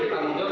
ini kita mundur